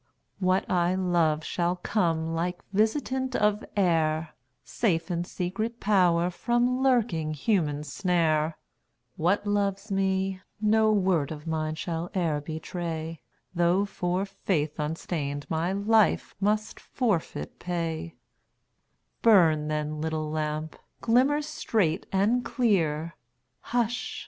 What I love shall come like visitant of air, Safe in secret power from lurking human snare; What loves me, no word of mine shall e'er betray, Though for faith unstained my life must forfeit pay Burn, then, little lamp; glimmer straight and clear Hush!